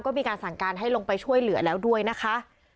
ก็มีการสั่งการให้ลงไปช่วยเหลือแล้วด้วยนะคะ